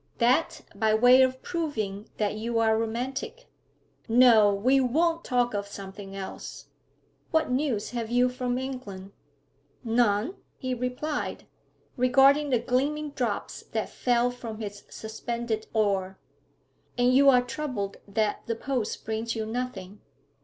'That, by way of proving that you are romantic. No, we won't talk of something else. What news have you from England?' 'None,' he replied, regarding the gleaming drops that fell from his suspended oar. 'And you are troubled that the post brings you nothing?'